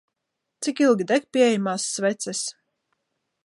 Cik ilgi deg pieejamās sveces?